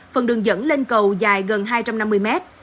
phần đường dẫn lên cầu dài gần hai trăm năm mươi mét